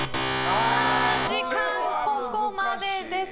時間ここまでです。